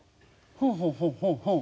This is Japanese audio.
ほうほうほうほうほう。